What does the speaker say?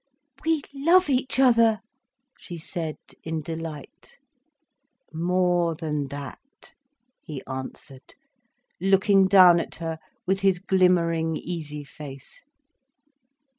"We love each other," she said in delight. "More than that," he answered, looking down at her with his glimmering, easy face.